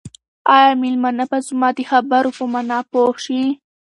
آیا مېلمانه به زما د خبرو په مانا پوه شي؟